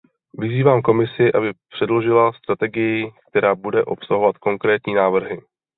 Vyzývám Komisi, aby předložila strategii, která bude obsahovat konkrétní návrhy.